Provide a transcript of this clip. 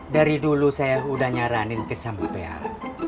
dari dulu saya udah nyaranin kesampean